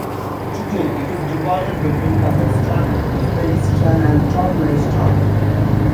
Today it is divided between Kazakhstan, Uzbekistan and Turkmenistan.